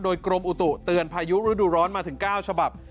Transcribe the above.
โดยกรมอุตุเตือนพายุฤดูร้อนมาถึง๙ฉบับ